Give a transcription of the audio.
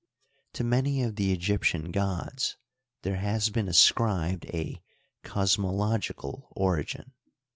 To many of the Egyptian gods there has been ascribed a cosmological origin.